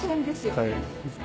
はい。